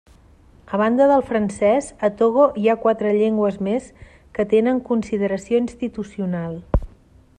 A banda del francès, a Togo hi ha quatre llengües més que tenen consideració institucional.